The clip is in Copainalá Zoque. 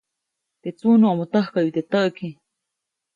Teʼ tsunuʼomo täjkäyu teʼ täʼki.